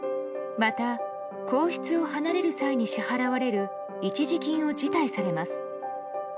また、皇室を離れる際に支払われる一時金を辞退されます。